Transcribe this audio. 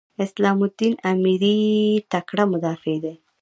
اسلام الدین امیري تکړه مدافع دی.